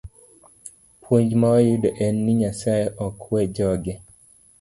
Puonj ma wayudo en ni Nyasaye ok we joge.